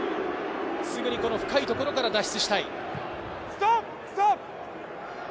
すぐに深いところから脱出したい。